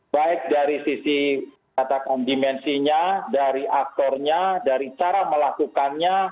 baik dari sisi katakan dimensinya dari aktornya dari cara melakukannya